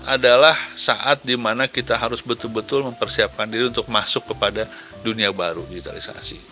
adalah saat dimana kita harus betul betul mempersiapkan diri untuk masuk kepada dunia baru digitalisasi